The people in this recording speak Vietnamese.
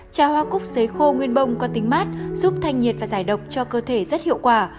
trà hoa cúc xấy khô nguyên bông có tính mát giúp thanh nhiệt và giải độc cho cơ thể rất hiệu quả